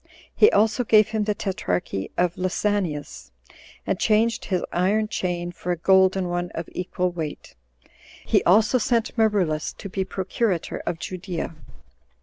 He also gave him the tetrarchy of Lysanias, 27 and changed his iron chain for a golden one of equal weight. He also sent Marullus to be procurator of Judea.